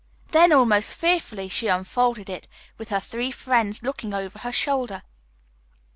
Then almost fearfully she unfolded it, with her three friends looking over her shoulder.